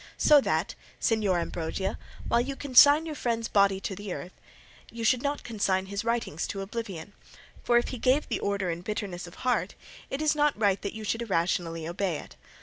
So that, Señor Ambrosio while you consign your friend's body to the earth, you should not consign his writings to oblivion, for if he gave the order in bitterness of heart, it is not right that you should irrationally obey it.